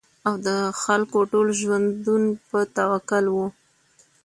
او د خلکو ټول ژوندون په توکل وو